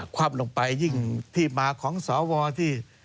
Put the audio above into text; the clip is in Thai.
คว่ำลงไปยิ่งที่มาของสวที่